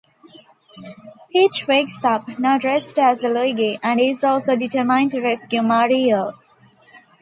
Peach wakes up, now dressed as Luigi, and is also determined to rescue Mario.